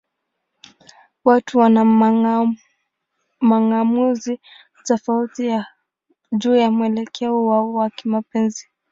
Watu wana mang'amuzi tofauti juu ya mwelekeo wao wa kimapenzi.